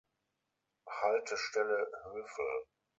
Haltestelle: "Höfel"